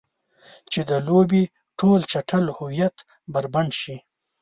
چې د لوبې ټول چټل هویت بربنډ شي.